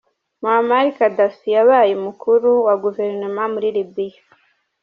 Moammar Gadhafi yabaye umukuru wa guverinoma muri Libya.